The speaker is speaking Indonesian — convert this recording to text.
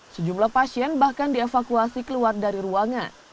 sejumlah pasien bahkan dievakuasi keluar dari ruangan